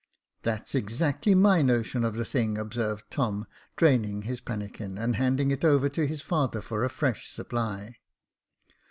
" That's exactly my notion of the thing," observed Tom, draining his pannikin, and handing it over to his father for a fresh supply.